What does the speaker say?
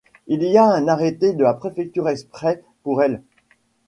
Il y a un arrêté de la préfecture exprès pour elles.